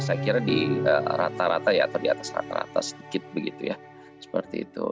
saya kira di rata rata atau di atas rata rata sedikit seperti itu